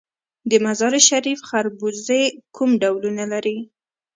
د مزار شریف خربوزې کوم ډولونه لري؟